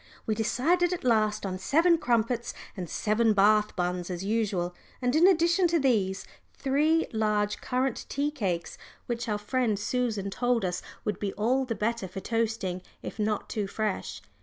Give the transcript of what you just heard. We decided at last on seven crumpets and seven Bath buns as usual, and in addition to these, three large currant tea cakes, which our friend Susan told us would be all the better for toasting if not too fresh.